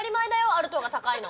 アルトが高いの。